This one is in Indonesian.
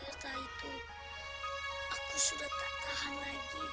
ini tersedot r malah saya